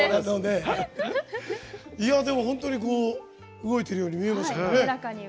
でも、本当に動いているように見えますね。